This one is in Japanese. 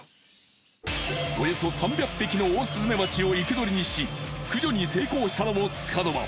およそ３００匹のオオスズメバチを生け捕りにし駆除に成功したのも束の間。